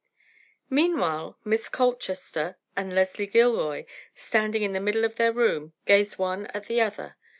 Meanwhile, Miss Colchester and Leslie Gilroy, standing in the middle of their room, gazed one at the other.